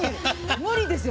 無理ですよ